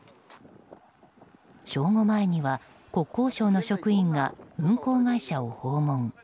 正午前には、国交省の職員が運航会社を訪問。